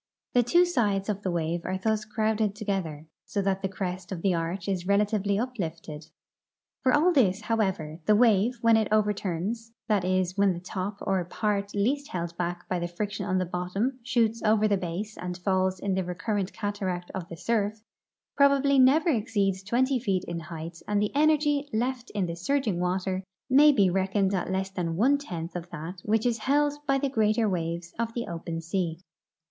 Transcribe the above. The two sides of the wave are thus crowded together, so that the crest of the arch is rela tively uplifted. For all this, however, the wave when it over turns— that is, when the top, or part least held back by the friction on the bottom, shoots over the base and falls in the re current cataract of the surf — probably never exceeds twenty feet in height and the energ}'^ left in the surging water may be reck oned at less than one tenth of that which is held by the greater waves of the o|)en sea.